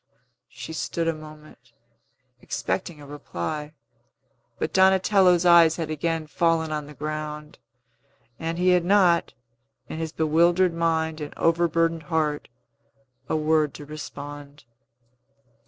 She stood a moment, expecting a reply. But Donatello's eyes had again fallen on the ground, and he had not, in his bewildered mind and overburdened heart, a word to respond.